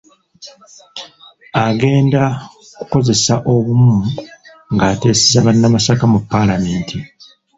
Agenda kukozesa obumu ng'ateeseza bannamasaka mu paalamenti.